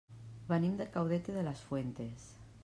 Venim de Caudete de las Fuentes.